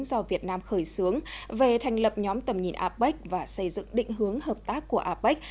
do việt nam khởi xướng về thành lập nhóm tầm nhìn apec và xây dựng định hướng hợp tác của apec